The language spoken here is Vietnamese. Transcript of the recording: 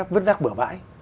vứt rác bửa vãi